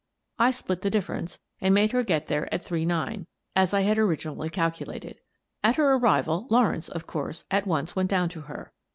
I split the difference and made her get there at three nine, as I had originally calculated. At her arrival Lawrence, of course, at once went down to her.